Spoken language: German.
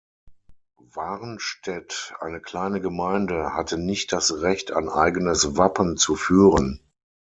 Warnstedt, eine kleine Gemeinde, hatte nicht das Recht, ein eigenes Wappen zu führen.